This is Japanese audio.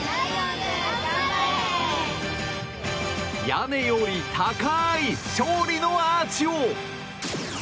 屋根より高い勝利のアーチを！